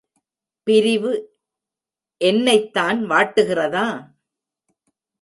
பிரிவு என்னைத்தான் வாட்டுகிறதா?